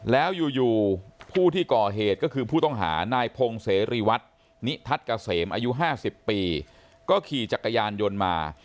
แล้วอยู่ผู้ที่ก่อเหตุก็คือผู้ต้องหานายพงเสรีวัฒน์นิทัศน์เกษมอายุ๕๐ปีก็ขี่จักรยานยนต์มา